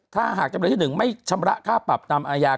ถ้าหากจำเลยที่๑ไม่ชำระค่าปรับตามอาญา